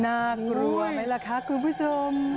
น่ากลัวไหมล่ะคะคุณผู้ชม